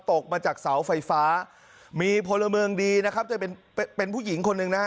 ตกมาจากเสาไฟฟ้ามีพลเมืองดีนะครับจะเป็นเป็นผู้หญิงคนหนึ่งนะฮะ